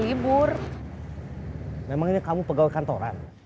sekarang ini kamu pegawai kantoran